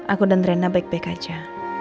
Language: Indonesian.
aku dan rena baik baik aja